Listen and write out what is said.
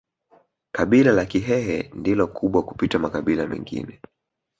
Kabila la Kihehe ndilo kubwa kupita makabila mengine